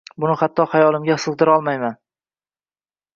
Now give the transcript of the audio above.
Buni hatto xayolimga sig’dirolmayman